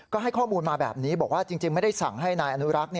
ก็ให้ข้อมูลมาแบบนี้บอกว่าจริงไม่ได้สั่งให้นายอนุรักษ์